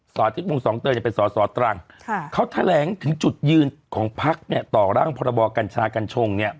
สาธิตทวงศ์๒เตยหรือเป็นศศตรั่งเค้าแถลงถึงจุดยืนของภักดิ์ต่อร่างพรจกัญชากัญชง